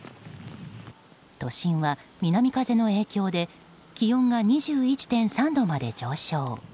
都心は南風の影響で気温が２１．３度まで上昇。